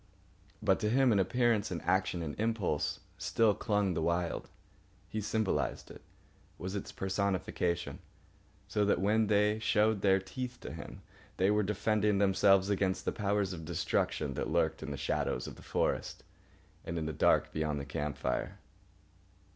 But to him, in appearance and action and impulse, still clung the Wild. He symbolised it, was its personification: so that when they showed their teeth to him they were defending themselves against the powers of destruction that lurked in the shadows of the forest and in the dark beyond the camp fire.